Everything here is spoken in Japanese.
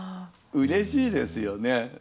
うれしいですね。